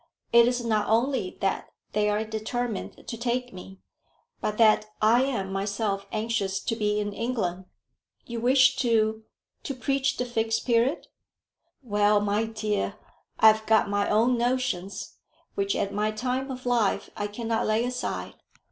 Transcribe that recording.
It is not only that they are determined to take me, but that I am myself anxious to be in England." "You wish to to preach the Fixed Period?" "Well, my dear, I have got my own notions, which at my time of life I cannot lay aside.